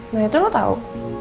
nah itu lo tau